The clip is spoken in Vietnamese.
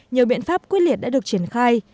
nhiều biện pháp quyết liệt đã được triển khai